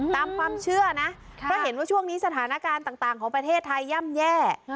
ตามความเชื่อนะเพราะเห็นว่าช่วงนี้สถานการณ์ต่างของประเทศไทยย่ำแย่